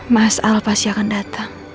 mas al pasti akan datang